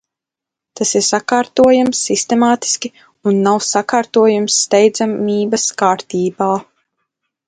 Tas ir sakārtojams sistēmiski un nav sakārtojams steidzamības kārtībā.